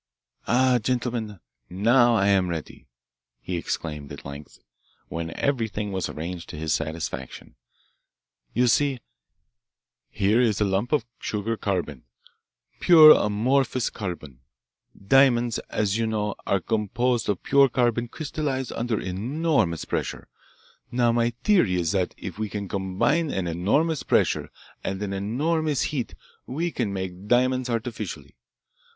"Ah, gentlemen, now I am ready," he exclaimed at length, when everything was arranged to his satisfaction. "You see, here is a lump of sugar carbon pure amorphous carbon: Diamonds, as you know, are composed of pure carbon crystallised under enormous pressure. Now, my theory is that if we can combine an enormous pressure and an enormous heat we can make diamonds artificially.